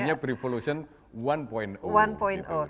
iya kita prevolutionnya satu gitu